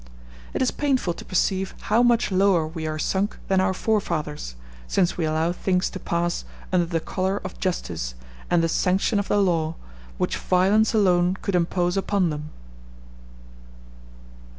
It is painful to perceive how much lower we are sunk than our forefathers, since we allow things to pass under the color of justice and the sanction of the law which violence alone could impose upon them.